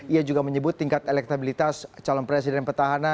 ia juga menyebut tingkat elektabilitas calon presiden petahana